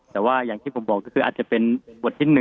แต่ว่าอย่างที่ผมบอกก็คืออาจจะเป็นบทที่๑